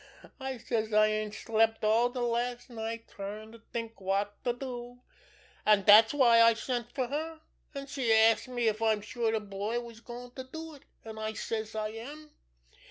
I says I ain't slept all de last night tryin' to think wot to do, an' dat's why I sent fer her. An' she asks me if I'm sure de boy was goin' to do it. An' I says I am.